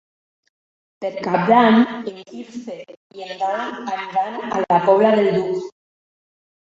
Per Cap d'Any en Quirze i en Dan aniran a la Pobla del Duc.